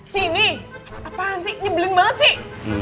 sini apaan sih nyebelin banget sih